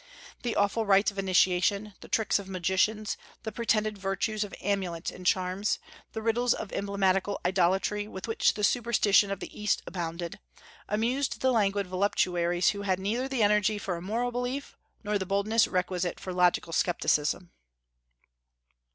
The awful rites of initiation, the tricks of magicians, the pretended virtues of amulets and charms, the riddles of emblematical idolatry with which the superstition of the East abounded, amused the languid voluptuaries who had neither the energy for a moral belief nor the boldness requisite for logical scepticism."